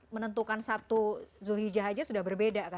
menentukan satu zulhijjah aja sudah berbeda